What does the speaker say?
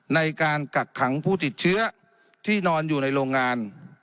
กักขังผู้ติดเชื้อที่นอนอยู่ในโรงงาน